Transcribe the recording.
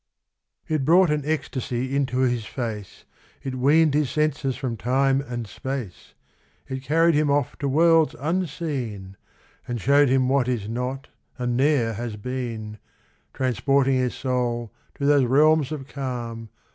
It brought an ecstasy into his face, It weaned his senses from time and space, It carried him off to worlds unseen, And showed him what is not and ne'er has been, Transporting his soul to those realms of calm.